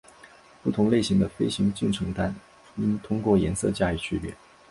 不同类型的飞行进程单应通过颜色加以区别。